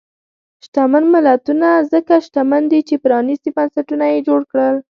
شتمن ملتونه ځکه شتمن دي چې پرانیستي بنسټونه یې جوړ کړل.